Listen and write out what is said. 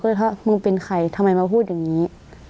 ถ้ามึงเป็นใครทำไมมาพูดอย่างนี้